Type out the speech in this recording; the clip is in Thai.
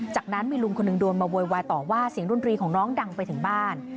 จากนั้นมีลุงคนหนึ่งโดนมาโวยวายต่อว่าเสียงดนตรีของน้องดังไปถึงบ้าน